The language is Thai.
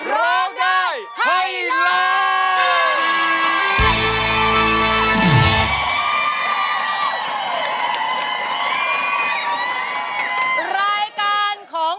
ร้องได้ให้ล้าน